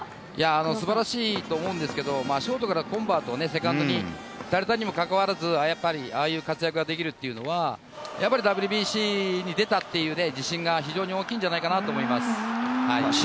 すばらしいと思うんですけど、ショートからコンバートをセカンドにされたにもかかわらず、やっぱりああいう活躍ができるっていうのは、やっぱりＷＢＣに出たっていう自信が非常に大きいんじゃないかな試合